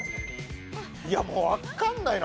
いやもうわかんないな。